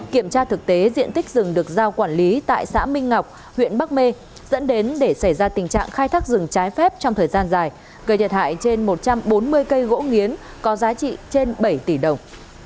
kiểm tra thực tế diện tích rừng được giao quản lý tại xã minh ngọc huyện bắc mê dẫn đến để xảy ra tình trạng khai thác rừng trái phép trong thời gian dài gây thiệt hại trên một trăm bốn mươi cây gỗ nghiến có giá trị trên bảy tỷ đồng